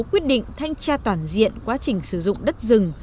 quyết định thanh tra toàn diện quá trình sử dụng đất rừng